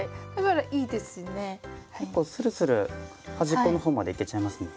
結構するする端っこの方までいけちゃいますね。